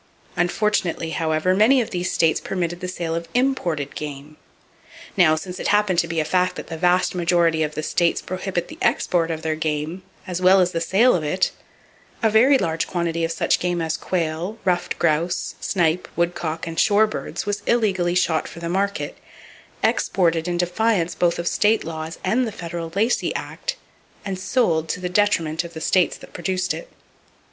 Unfortunately, however, many of these states permitted the sale of imported game. Now, since it happened to be a fact that the vast majority of the states prohibit the export of their game, as well as the sale of it, a very large quantity of such game as quail, ruffed grouse, snipe, woodcock and shore birds was illegally shot for the market, exported in defiance both of state [Page 307] laws and the federal Lacey Act, and sold to the detriment of the states that produced it.